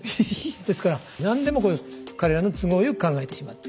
ですから何でも彼らの都合よく考えてしまって。